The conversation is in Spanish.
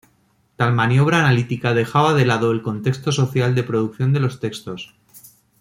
Tal maniobra analítica dejaba de lado el contexto social de producción de los textos.